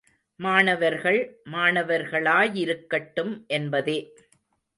மாணவர்கள், மாணவர்களாயிருக்கட்டும் என்பதே.